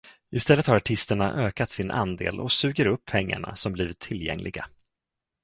Istället har artisterna ökat sin andel och suger upp pengarna som blivit tillgängliga.